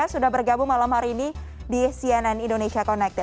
sudah bergabung malam hari ini di cnn indonesia connected